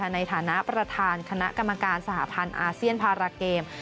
ในฐานะประธานคณะกรรมการสหพันธ์อาเซียนพาราเกม